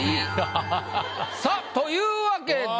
さあというわけで。